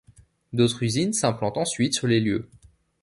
D'autres usines s'implantent ensuite sur les lieux.